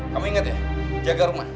kami ingat ya jaga rumah